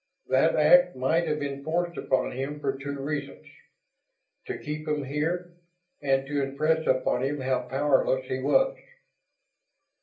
That act might have been forced upon him for two reasons: to keep him here, and to impress upon him how powerless he was.